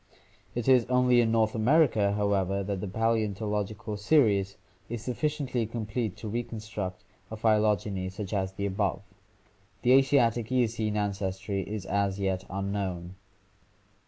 It is only in North America, however, that the paleontological series is sufficiently complete to reconstruct a phy togeny such as the above. The Asiatic Eocene ancestry is as yet unknown.